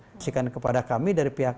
saksikan kepada kami dari pihak